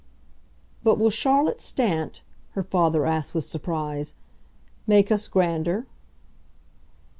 "But will Charlotte Stant," her father asked with surprise, "make us grander?"